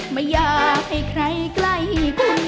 ไม่อยากให้ใครใกล้คุณ